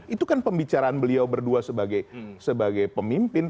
itu kan pembicaraan beliau berdua sebagai pemimpin